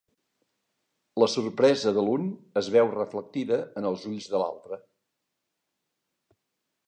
La sorpresa de l'un es veu reflectida en els ulls de l'altre.